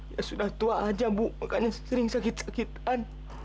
ya sudah tua saja ibu makanya sering sakit sakitan